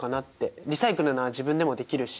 リサイクルなら自分でもできるし。